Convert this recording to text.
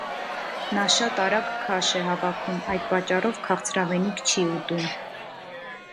Նա շատ արագ քաշ է հավաքում, այդ պատճառով քաղցրավենիք չի ուտում։